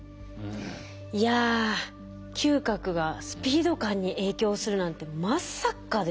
いや嗅覚がスピード感に影響するなんてまさかですね。